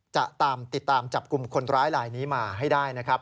จะตามติดตามจับกลุ่มคนร้ายลายนี้มาให้ได้นะครับ